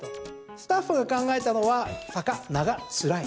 スタッフが考えたのは坂長つらい。